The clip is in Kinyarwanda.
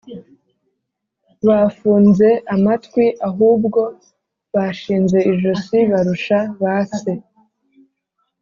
Bafunze amatwi ahubwo bashinze ijosi barusha ba se